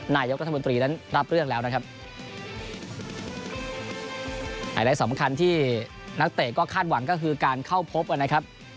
นายกรัฐมนตรีนั้นรับเรื่องแล้วนะครับไฮไลท์สำคัญที่นักเตะก็คาดหวังก็คือการเข้าพบกันนะครับ